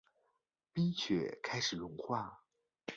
冰雪开始融化